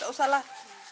tidak usah lah